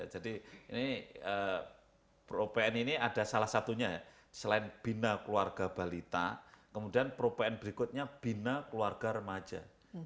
jadi ini pro pn ini ada salah satunya ya selain bina keluarga balita kemudian pro pn berikutnya bina keluarga remaja